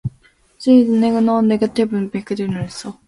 There is no negative marking applied if the question is left unanswered.